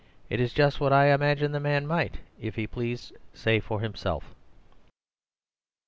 It is just what I imagine the man might, if he pleased, say for himself."